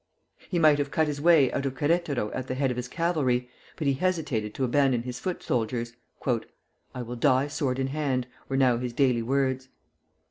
He might have cut his way out of Queretaro at the head of his cavalry, but he hesitated to abandon his foot soldiers. "I will die sword in hand," were now his daily words.